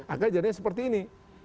akhirnya jadinya seperti ini